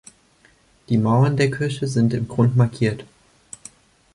Die Mauern der Kirche sind im Grund markiert.